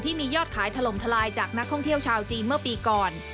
ยอดขายถล่มทลายจากนักท่องเที่ยวชาวจีนเมื่อปีก่อน